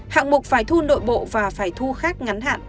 hạng mục phải thu nội bộ và phải thu khác ngắn hạn